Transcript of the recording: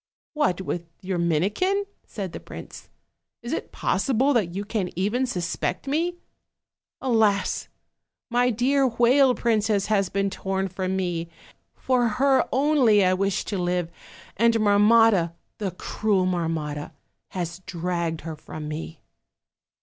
"What! with your Minikin?" said the prince; "is it possible that you can even suspect me? Alas! my dear whale princess has been torn from me; for her only I wish to live, and Marmotta, the cruel Marrnotta, has dragged her from me."